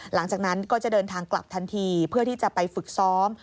หลังจากนั้นก็จะเดินทางกลับทันทีเพื่อที่จะไปฝึกซ้อม